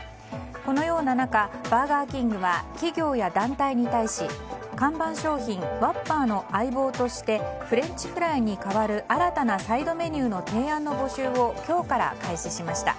このような中、バーガーキングは企業や団体に対し看板商品ワッパーの相棒としてフレンチフライに代わる新たなサイドメニューの提案の募集を今日から開始しました。